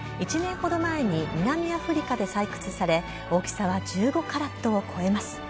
１年ほど前に南アフリカで採掘され大きさは１５カラットを超えます。